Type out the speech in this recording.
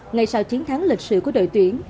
ngày sau chiến thắng lịch sử của đội tuyển